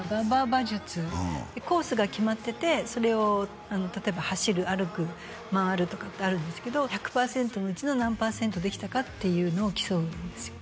馬術コースが決まっててそれを例えば走る歩く回るとかってあるんですけど１００パーセントのうちの何パーセントできたかっていうのを競うんですよ